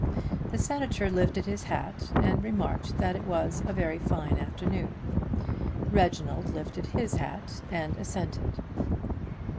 The Senator lifted his hat and remarked that it was a very fine afternoon. Reginald lifted his hat and assented.